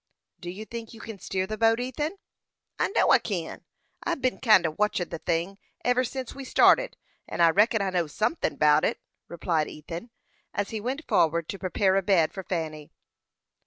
"Do you think you can steer the boat, Ethan?" "I know I kin. I've been kinder watchin' the thing ever sence we started, and I reckon I know sunthin' about it," replied Ethan, as he went forward to prepare a bed for Fanny.